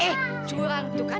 eh curang tuh kan